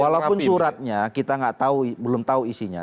walaupun suratnya kita belum tahu isinya